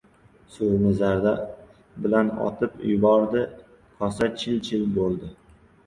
Suvni zarda bilan otib yubordi. Kosa chil-chil bo‘ldi...